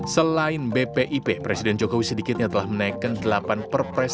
selain bpip presiden jokowi sedikitnya telah menaikkan delapan perpres